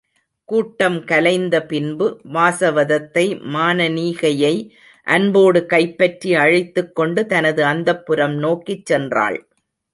கூட்டம் கலைந்த பின்பு வாசவதத்தை, மானனீகையை அன்போடு கைப்பற்றி அழைத்துக்கொண்டு தனது அந்தப்புரம் நோக்கிச் சென்றாள்.